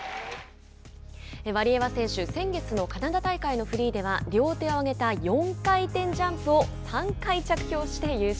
ワリエワ選手先月のカナダ大会のフリーでは両手を上げた４回転ジャンプを３回着氷して優勝。